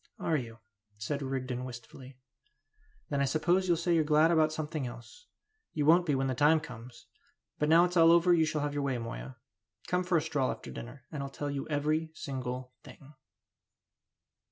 "Are you?" said Rigden, wistfully. "Then I suppose you'll say you're glad about something else. You won't be when the time comes! But now it's all over you shall have your way, Moya; come for a stroll after dinner, and I'll tell you every single thing!"